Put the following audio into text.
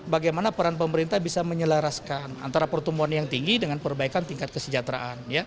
bagaimana peran pemerintah bisa menyelaraskan antara pertumbuhan yang tinggi dengan perbaikan tingkat kesejahteraan